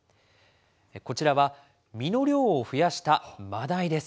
こちらは、身の量を増やしたマダイです。